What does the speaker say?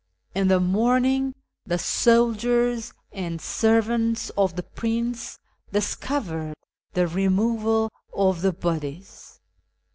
" In the morning the soldiers and servants of the Prince discovered the removal of the bodies.